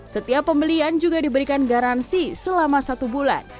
setiap pembelian juga diberikan garansi selama satu bulan